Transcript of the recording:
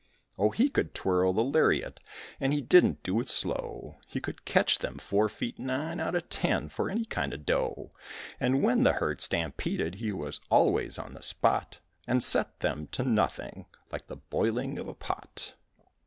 Oh, he could twirl the lariat and he didn't do it slow, He could catch them fore feet nine out of ten for any kind of dough. And when the herd stampeded he was always on the spot And set them to nothing, like the boiling of a pot.